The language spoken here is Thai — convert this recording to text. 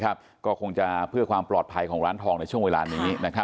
ก็คงจะเพื่อความปลอดภัยของร้านทองในช่วงเวลานี้